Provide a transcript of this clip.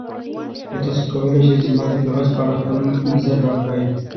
ایا تاسو کولی شئ زما د کاغذ په اړه خپل نظر راکړئ؟